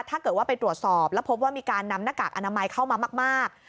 ถ้าเกิดว่าไปตรวจสอบแล้วพบว่ามีการนำหน้ากากอนามัยเข้ามามาก